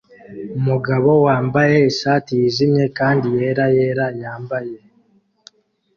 Umugabo wambaye ishati yijimye kandi yera yera yambaye i